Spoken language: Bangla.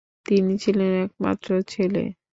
তিনি ছিলেন একমাত্র ছেলে।